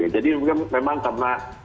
jadi memang karena